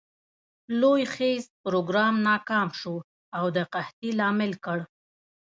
لوی خیز پروګرام ناکام شو او د قحطي لامل ګړ.